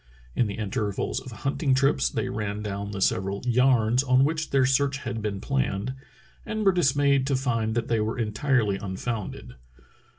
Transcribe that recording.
In the inter vals of hunting trips they ran down the several ''yarns " on which their search had been planned, and were dis mayed to find that they were entirely unfounded.